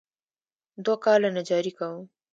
دوه کاله نجاري کوم.